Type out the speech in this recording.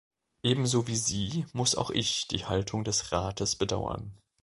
Ebenso wie Sie muss auch ich die Haltung des Rates bedauern.